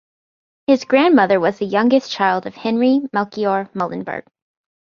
His grandmother was the youngest child of Henry Melchior Muhlenberg.